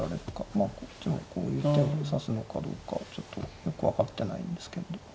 まあこっちもこういう手を指すのかどうかちょっとよく分かってないんですけど。